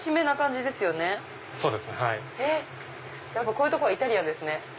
こういうとこはイタリアンですね。